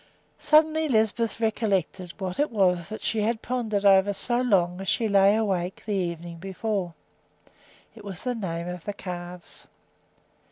Suddenly Lisbeth recollected what it was that she had pondered over so long as she lay awake the evening before, it was the names of the calves.